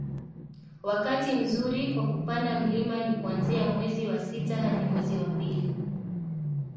wakati mzuri kwa kupanda mlima ni kuanzia mwezi wa sita hadi mwezi wa pili